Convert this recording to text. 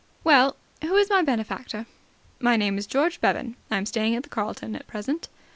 Well, who is my benefactor?" "My name is George Bevan. I am staying at the Carlton at present."